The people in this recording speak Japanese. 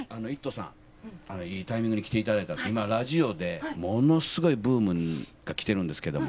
さんいいタイミングで来ていただいたので今、ラジオでものすごいブームが来てるんですけれども。